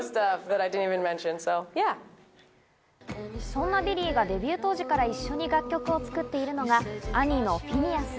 そんなビリーがデビュー当時から一緒に楽曲を作っているのが兄のフィニアス。